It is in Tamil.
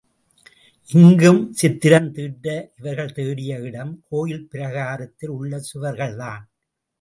இங்கும் சித்திரம் தீட்ட இவர்கள் தேடிய இடம் கோயில் பிரகாரத்தில் உள்ள சுவர்கள்தான்.